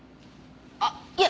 あっいや